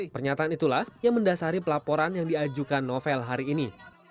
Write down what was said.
pernyataan itulah yang mendasari pelaporan yang diajukan novel hari ini